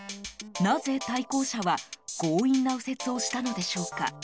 なぜ、対向車は強引な右折をしたのでしょうか。